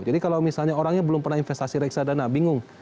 jadi kalau misalnya orangnya belum pernah investasi reksadana bingung